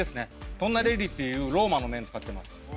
トンナレッリっていうローマの麺使ってます